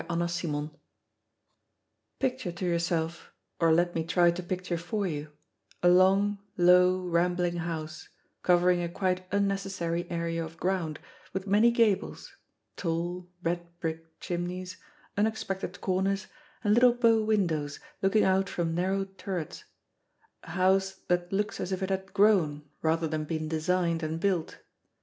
CHAPTER FIFTEEN Picture to yourself, or let me try to picture for you, a long, low, rambling house, covering a quite unnecessary area of ground, with many gables, tall, red brick chimneys, unexpected corners, and little bow windows looking out from narrow turrets a house that looks as if it had grown, rather than been designed and built.